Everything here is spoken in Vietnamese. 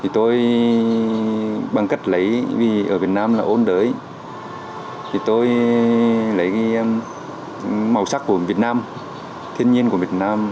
tôi bằng cách lấy vì ở việt nam là ôn đới tôi lấy màu sắc của việt nam thiên nhiên của việt nam